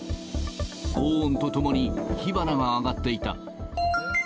ごう音と共に、火花が上がっていた。